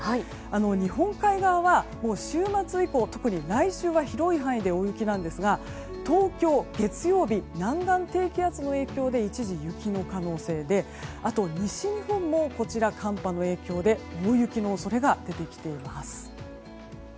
日本海側は週末以降特に来週は広い範囲で大雪なんですが東京、月曜日南岸低気圧の影響で一時、雪の可能性で西日本も寒波の影響で大雪の恐れが出てきています。